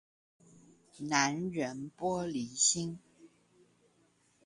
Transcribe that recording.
男人玻璃心